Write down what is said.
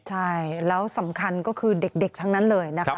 ใช่แล้วสำคัญก็คือเด็กทั้งนั้นเลยนะคะ